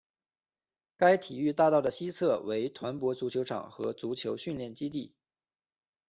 该体育大道的西侧为团泊足球场和足球训练基地。